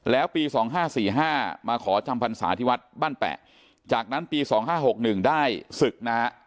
แล้วปี๒๕๔๕มาขอจำพรรษาที่วัดบ้านแปะจากนั้นปี๒๕๖๑ได้ศึกนะฮะ